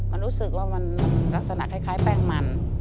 มันรู้สึกว่ามันลักษณะคล้ายแป้งมัน